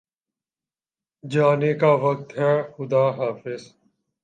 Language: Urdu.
جانے کا وقت ہےخدا حافظ